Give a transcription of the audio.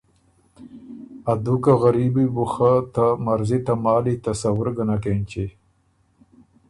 ا دوکه غریبی بو خه ته مرضی ته مالی تصور ګۀ نک اېنچی۔